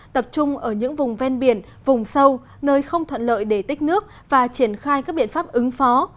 tập trung ở những vùng ven biển vùng sâu nơi không thuận lợi để tích nước và triển khai các biện pháp ứng phó